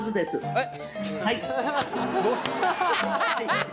はい。